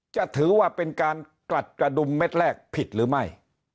จะถือว่าเป็นการกลัดกระดุมเม็ดแรกผิดหรือไม่